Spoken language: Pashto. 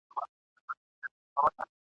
په ځنګله کي د خپل ښکار په ننداره سو !.